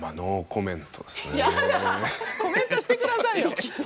コメントしてくださいよ。